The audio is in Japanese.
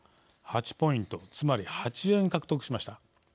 ８ポイントつまり８円獲得しました。